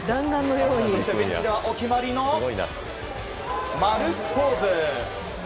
そして、ベンチではお決まりのマルポーズ。